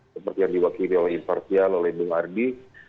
seperti yang diwakili oleh impartial oleh dung ardi